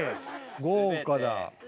豪華だ。